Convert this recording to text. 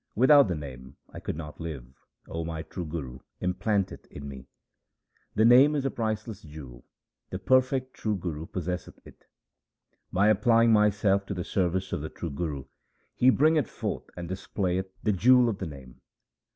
Without the Name I could not live ; O my true Guru, implant it in me. The Name is a priceless jewel ; the perfect true Guru possesseth it. By applying myself to the service of the true Guru, he bringeth forth and displayeth the jewel of the Name.